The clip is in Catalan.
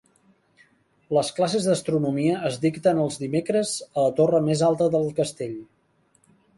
Les classes d'Astronomia es dicten els dimecres a la torre més alta del castell.